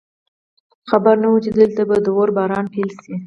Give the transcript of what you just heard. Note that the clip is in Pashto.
خبر نه وو چې دلته به د اور باران پیل شي